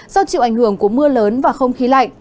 do chịu ảnh hưởng của mưa lớn và không khí lạnh